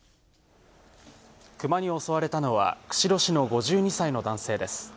クマに襲われたのは、釧路市の５２歳の男性です。